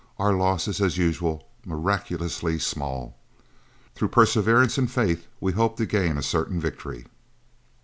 Our losses, as usual, miraculously small. Through perseverance and faith we hope to gain a certain victory.